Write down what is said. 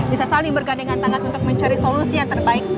bisa saling bergandengan tangan untuk mencari solusi yang terbaik